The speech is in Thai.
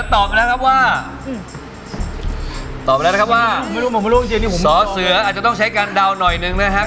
ตอบมาแล้วนะครับว่าสอเสืออาจจะต้องใช้การเดาหน่อยหนึ่งนะครับ